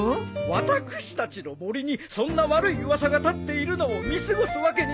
私たちの森にそんな悪い噂が立っているのを見過ごすわけにはいきません！